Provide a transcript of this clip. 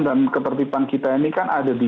dan ketertiban kita ini kan ada di